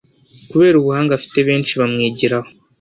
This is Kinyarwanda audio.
Kubera ubuhanga afite benshi bamwigiraho